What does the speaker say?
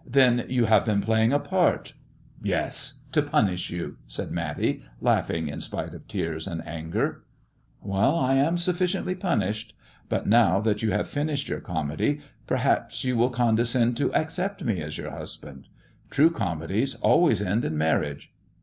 " Then you have been playing a part 1 "" Yes ! To punish you !" said Matty, laughing, in spite )f tears and anger. "I am sufficiently punished. But now that you have inished your comedy, perhaps you will condescend to bccept me as your husband. True comedies always end in oarriage."